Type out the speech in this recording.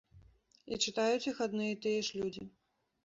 І чытаюць іх адны і тыя ж людзі.